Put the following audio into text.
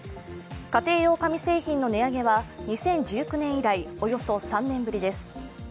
家庭用紙製品の値上げは２０１９年以来およそ３年ぶりです。